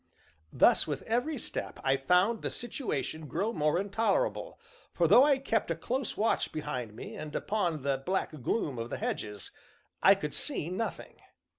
Thus, with every step, I found the situation grow more intolerable, for though I kept a close watch behind me and upon the black gloom of the hedges, I could see nothing.